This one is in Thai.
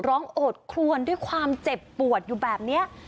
โอดครวนด้วยความเจ็บปวดอยู่แบบนี้